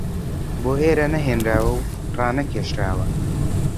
بۆ ئێرە نەهێنراوە و ڕانەکێشراوە